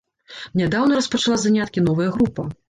Нядаўна распачала заняткі новая група.